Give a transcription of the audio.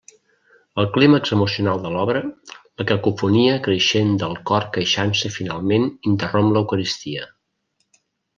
Al clímax emocional de l'obra, la cacofonia creixent del cor queixant-se finalment interromp l'Eucaristia.